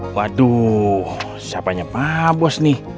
waduh siapanya pabos nih